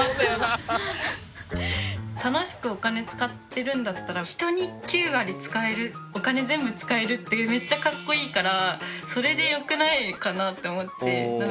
楽しくお金使ってるんだったら人に９割使えるお金全部使えるってめっちゃかっこいいからそれでよくないかなって思って。